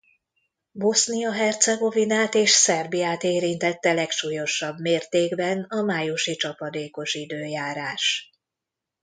Bosznia-Hercegovinát és Szerbiát érintette legsúlyosabb mértékben a májusi csapadékos időjárás.